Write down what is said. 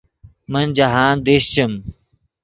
من جاہند دیشچیم